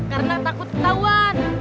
karena takut ketahuan